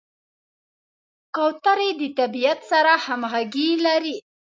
کوترې د طبیعت سره همغږي لري.